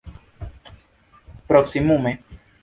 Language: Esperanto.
proksimume